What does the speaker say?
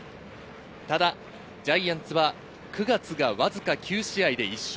ただジャイアンツは９月がわずか９試合で１勝。